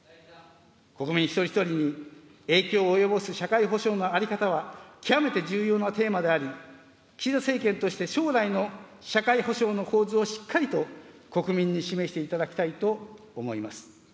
国民一人一人に影響を及ぼす社会保障の在り方は極めて重要なテーマであり、岸田政権として、将来の社会保障の構図をしっかりと国民に示していただきたいと思います。